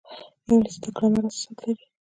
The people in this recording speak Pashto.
انګلیسي د ګرامر اساسات لري